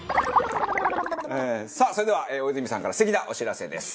さあそれでは大泉さんから素敵なお知らせです。